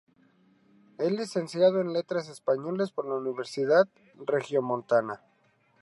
Es Licenciado en Letras Españolas por la Universidad Regiomontana.